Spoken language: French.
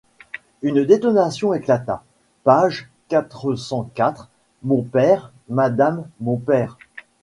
Une détonation éclata. Page quatre cent quatre. — Mon père ! madame, mon père !